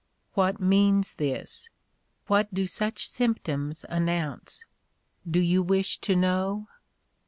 What means this? What do such symp toms announce? Do you wish to know?